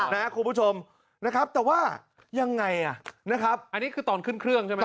นะครับคุณผู้ชมนะครับแต่ว่ายังไงอ่ะนะครับอันนี้คือตอนขึ้นเครื่องใช่ไหม